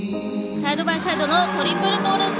サイドバイサイドのトリプルトウループ。